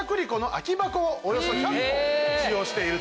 およそ１００個使用している。